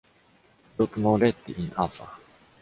Lot Moretti in Afa